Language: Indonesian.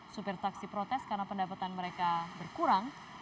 supir taksi protes karena pendapatan mereka berkurang